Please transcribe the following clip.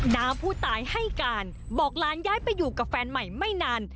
น้าผู้ตายให้การบอกหลานย้ายไปอยู่กับแฟนใหม่ไม่นาน